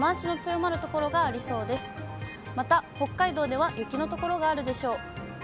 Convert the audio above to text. また北海道では雪の所があるでしょう。